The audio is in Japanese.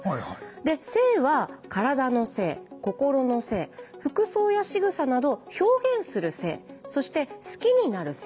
で性は「体の性」「心の性」服装やしぐさなど「表現する性」そして「好きになる性」。